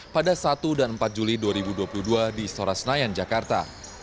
pada satu dan empat juli dua ribu dua puluh dua di istora senayan jakarta